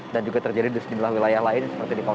dan juga terjadi di sejumlah wilayah lainnya